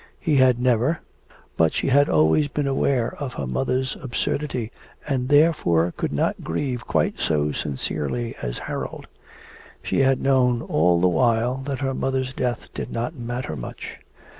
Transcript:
He had never, but she had always been aware of her mother's absurdity, and therefore could not grieve quite so sincerely as Harold. She had known all the while that her mother's death did not matter much.